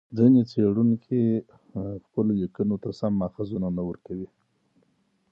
ځیني څېړونکي خپلو لیکنو ته سم ماخذونه نه ورکوي.